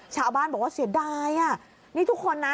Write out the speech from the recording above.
ชาวบ้านบอกว่าเสียดายอ่ะนี่ทุกคนนะ